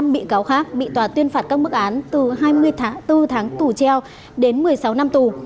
một mươi năm bị cáo khác bị tòa tuyên phạt các mức án từ hai mươi bốn tháng tù treo đến một mươi sáu năm tù